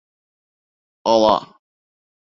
Ала!